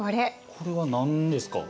これは何ですか。